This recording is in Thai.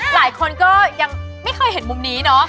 หลายคนก็ยังไม่เคยเห็นมุมนี้เนาะ